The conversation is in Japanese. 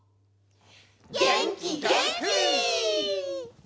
げんきげんき！